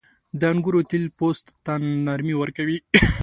• د انګورو تېل پوست ته نرمي ورکوي.